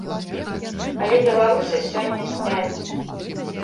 Але беларусы сёння спяць.